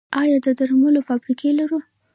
آیا د درملو فابریکې لرو؟